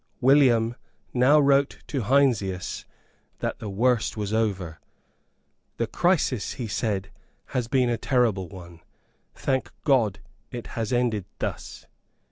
William now wrote to Heinsius that the worst was over. "The crisis," he said, "has been a terrible one. Thank God that it has ended thus."